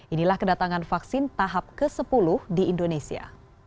inilah kedatangan vaksin tahap ke sepuluh di indonesia